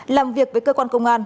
làm việc với cơ quan công an